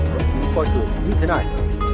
đã bị coi tưởng như thế này